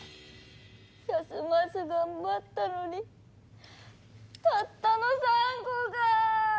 休まず頑張ったのにたったの３個か。